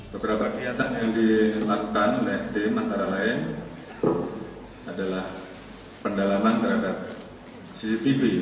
beberapa kelihatan yang dilakukan oleh pt antara lain adalah pendalaman terhadap cctv